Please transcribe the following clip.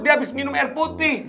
dia habis minum air putih